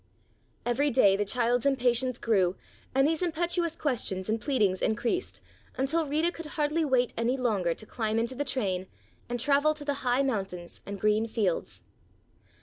Every day the child's impatience grew and these impetuous questions and pleadings increased, until Rita could hardly wait any longer to climb into the train and travel to the high mountains and green fields.